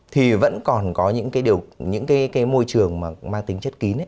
thì vẫn còn có những cái môi trường mà mang tính chất kín